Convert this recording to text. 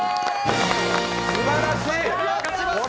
すばらしい！